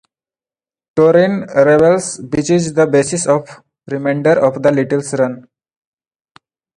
Torin rebels, which is the basis of the remainder of the title's run.